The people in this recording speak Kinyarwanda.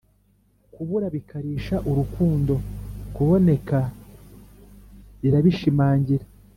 kubura bikarisha urukundo, kuboneka birabishimangira.